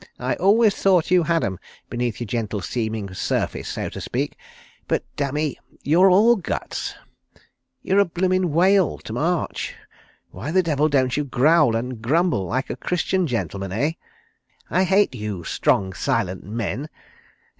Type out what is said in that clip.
"I always thought you had 'em beneath your gentle seeming surface, so to speak—but dammy, you're all guts. ... You're a blooming whale, to march. ... Why the devil don't you growl and grumble like a Christian gentleman, eh? ... I hate you 'strong silent men.